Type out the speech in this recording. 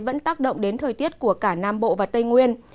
vẫn tác động đến thời tiết của cả nam bộ và tây nguyên